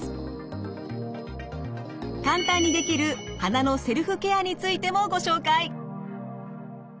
簡単にできる鼻のセルフケアについてもご紹介。